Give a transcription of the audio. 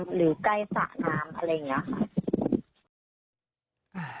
หรือใกล้สระน้ำอะไรอย่างนี้ค่ะ